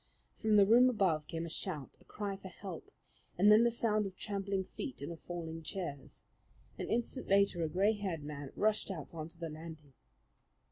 From the room above came a shout, a cry for help, and then the sound of trampling feet and of falling chairs. An instant later a gray haired man rushed out on the landing.